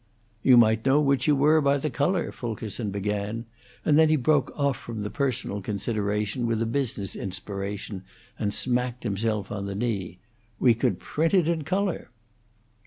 "You might know which you were by the color," Fulkerson began, and then he broke off from the personal consideration with a business inspiration, and smacked himself on the knee, "We could print it in color!"